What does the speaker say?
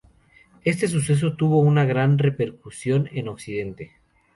Este suceso tuvo una gran repercusión en Occidente.